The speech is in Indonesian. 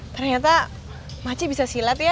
ternyata makci bisa silat ya